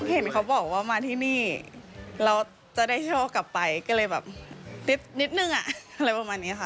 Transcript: เห็นเขาบอกว่ามาที่นี่เราจะได้โชคกลับไปก็เลยแบบนิดนึงอ่ะอะไรประมาณนี้ค่ะ